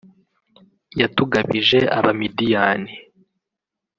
yatugabije abamidiyani